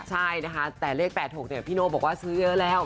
ใช่นะคะแต่เลข๘๖เนี่ยพี่โน่บอกว่าซื้อเยอะแล้ว